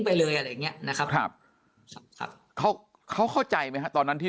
ไปเลยอะไรอย่างเงี้ยนะครับครับเขาเขาเข้าใจไหมฮะตอนนั้นที่